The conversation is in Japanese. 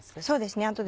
そうですね。